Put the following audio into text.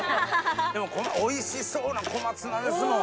でもおいしそうな小松菜ですもん。